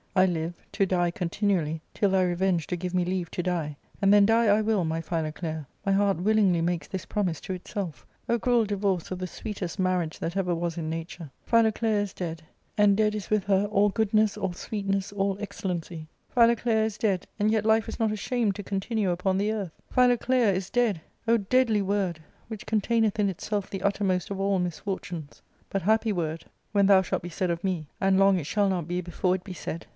I live, to die continually, till thy revenge do give me leave to die ; and then die I will, my Philoclea ; my heart willingly makes this promise to itself. O cruel divorce of the sweetest marriage that ever was in nature ! Philoclea is dead ; and dead is with her all good ness, all sweetness, all excellency ! Philoclea is dead ; and yet life is not ashamed to continue upon the earth ! Philo clea is dead ! O deadly word, which containeth in itself the uttermost of all misfortunes ; but happy word when thou ARCADIA.— Book III. 347 Shalt be said of me ; and long it shall not be before it be said